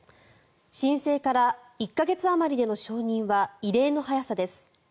申請から１か月あまりでの承認は異例の早さです。